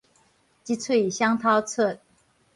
一喙雙頭出